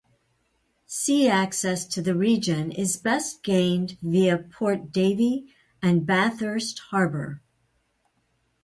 Sea access to the region is best gained via Port Davey and Bathurst Harbour.